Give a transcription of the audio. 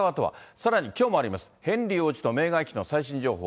さらにきょうもあります、ヘンリー王子とメーガン妃の最新情報。